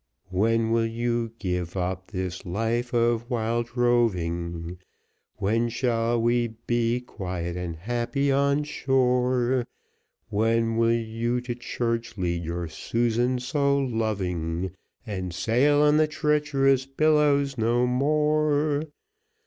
"When will you give up this life of wild roving? When shall we be quiet and happy on shore? When will you to church lead your Susan, so loving, And sail on the treacherous billows no more?"